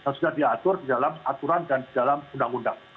sudah diatur di dalam aturan dan di dalam undang undang